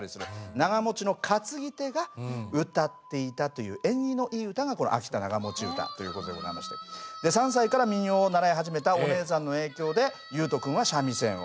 長持の担ぎ手がうたっていたという縁起のいい唄がこの「秋田長持唄」ということでございまして３歳から民謡を習い始めたお姉さんの影響で悠人君は三味線を。